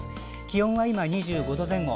気温は今、２５度前後。